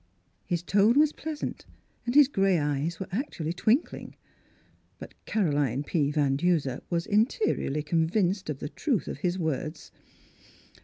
His tone was pleasant and hib grey eyes were actually twinkling. But Caroline P. Van Duser was interiorly convinced of the truth of his words.